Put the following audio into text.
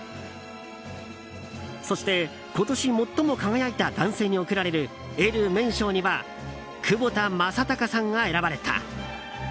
そして今年最も輝いた男性に贈られるエルメン賞には窪田正孝さんが選ばれた。